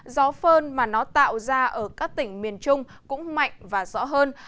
gió phơn mà nó tạo ra ở các tỉnh miền trung cũng mạnh và rõ hơn